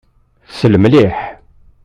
Sel mliḥ.